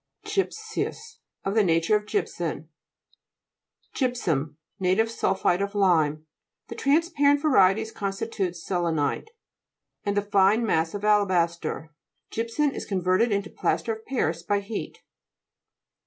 GY'PSEOUS Of the nature of gypsum. GT'PSUM (jVp suw). Native sul phate of lime. The transparent varieties constitute se/enite, and the fine massive Alabaster. Gy'psum is converted into plaster of Paris by heat.